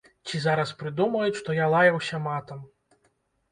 Ці зараз прыдумаюць, што я лаяўся матам.